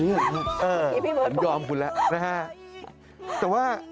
พี่เบิ้ลบอกคุณยอมคุณแล้วนะฮะแต่ว่า